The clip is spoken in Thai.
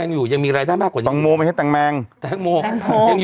ฮูทีแต่งนุ่มอธิบาย